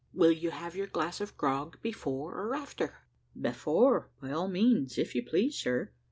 "Will you have your glass of grog before or after?" "Before, by all means, if you please, sir.